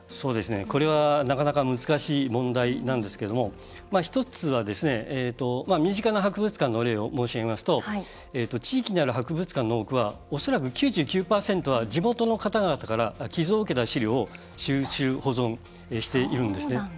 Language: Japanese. これはなかなか難しい問題なんですけど１つは身近な博物館の例を申し上げますと地域にある博物館の多くは恐らく９９％は地元の方々から寄贈を受けた資料を収集、保存しているんですね。